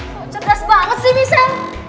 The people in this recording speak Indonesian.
lo cerdas banget sih misalnya